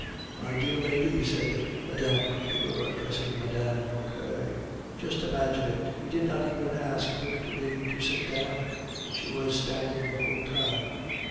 "My dear lady," said Mme. Couture, addressing Mme. Vauquer, "just imagine it; he did not even ask Victorine to sit down, she was standing the whole time.